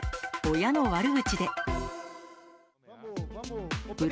親の悪口で。